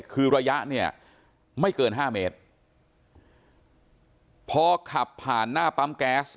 คือระยะเนี่ยไม่เกินห้าเมตรพอขับผ่านหน้าปั๊มแก๊ส